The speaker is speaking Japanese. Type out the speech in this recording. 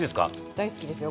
大好きですよ